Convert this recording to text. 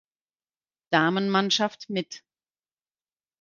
Damenmannschaft mit.